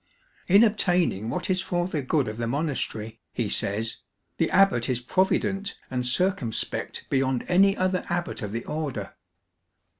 " In obtaining what is for the good of the monastery," he says, " the abbot is provident and circumspect beyond any other abbot of the Order."